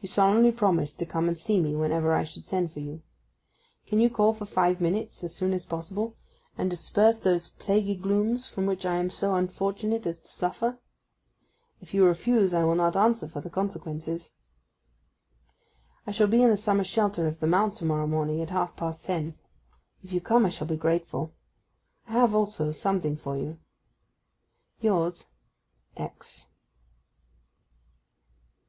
You solemnly promised to come and see me whenever I should send for you. Can you call for five minutes as soon as possible, and disperse those plaguy glooms from which I am so unfortunate as to suffer? If you refuse I will not answer for the consequences. I shall be in the summer shelter of the mount to morrow morning at half past ten. If you come I shall be grateful. I have also something for you. Yours, X.